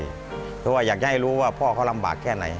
เพราะว่าอยากจะให้รู้ว่าพ่อเขาลำบากแค่ไหน